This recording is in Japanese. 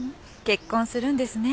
結婚するんですね